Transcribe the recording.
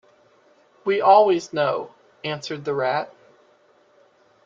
“We always know,” answered the rat.